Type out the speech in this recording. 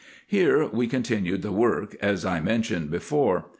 Here we continued the work, as I mentioned before.